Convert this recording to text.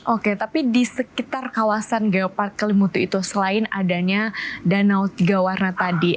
oke tapi di sekitar kawasan geopark kelimutu itu selain adanya danau tiga warna tadi